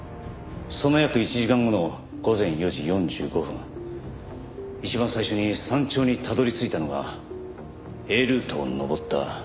その約１時間後の午前４時４５分一番最初に山頂にたどり着いたのがＡルートを登った。